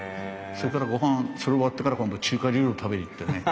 それからごはんそれ終わってから今度中華料理を食べに行ってね